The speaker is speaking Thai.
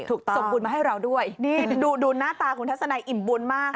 ส่งบุญมาให้เราด้วยนี่ดูดูหน้าตาคุณทัศนัยอิ่มบุญมาก